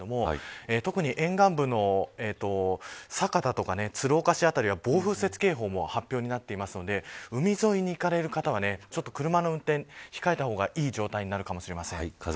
特に沿岸部の酒田とか鶴岡市辺りは暴風雪警報も発表になっていますので海沿いに行かれる方は車の運転は控えた方がいい状態になるかもしれません。